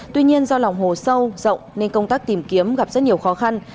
tuy nhiên do lòng hồ sâu rộng nên công tác tìm kiếm gặp rất nhiều khó khăn